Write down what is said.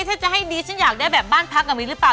ถ้าจะให้ดีฉันอยากได้แบบบ้านพักแบบนี้หรือเปล่า